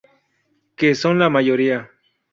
Que son la mayoría.